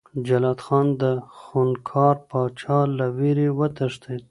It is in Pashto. جلات خان د خونکار پاچا له ویرې وتښتېد.